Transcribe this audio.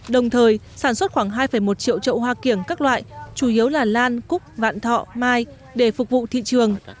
đồng thời sản xuất khoảng hai một triệu trậu hoa kiểng các loại chủ yếu là lan cúc vạn thọ mai để phục vụ thị trường